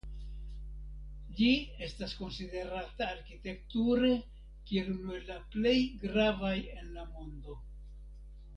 Ĝi estas konsiderata arkitekture kiel unu el la plej gravaj en la mondo.